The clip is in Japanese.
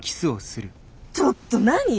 ちょっと何？